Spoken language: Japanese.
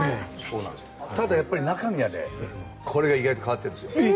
ただ、中身はこれが意外と変わってるんです。